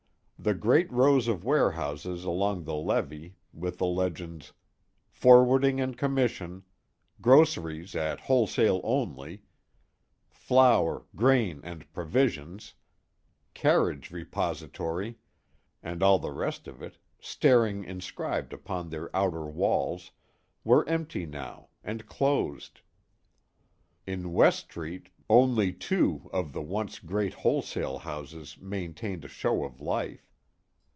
The great rows of warehouses along the levee, with the legends "Forwarding and Commission," "Groceries at Wholesale Only," "Flour, Grain and Provisions," "Carriage Repository," and all the rest of it, staringly inscribed upon their outer walls, were empty now, and closed. In West Street, two only of the once great wholesale houses maintained a show of life.